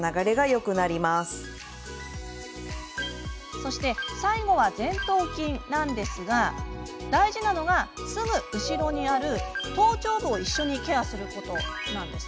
そして最後は前頭筋なんですが大事なのがすぐ後ろにある頭頂部を一緒にケアすることなんです。